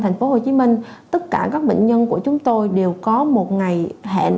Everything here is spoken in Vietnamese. tp hcm tất cả các bệnh nhân của chúng tôi đều có một ngày hẹn